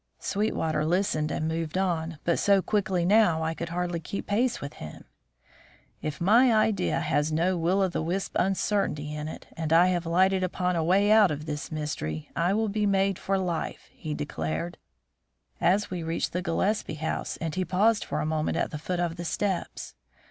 Sweetwater listened and moved on; but so quickly now I could hardly keep pace with him. "If my idea has no will o' the wisp uncertainty in it, and I have lighted upon a way out of this mystery, I will be made for life," he declared, as we reached the Gillespie house and he paused for a moment at the foot of the steps.